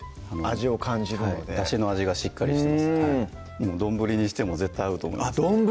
味を感じるのでだしの味がしっかりしてます丼にしても絶対合うと思いますあっ丼！